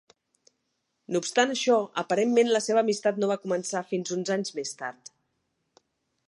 No obstant això, aparentment la seva amistat no va començar fins uns anys més tard.